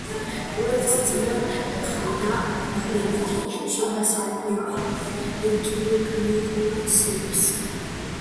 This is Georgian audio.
პროექტს წილად ჰხვდა დადებითი შეფასებები კინოკრიტიკოსებისგან.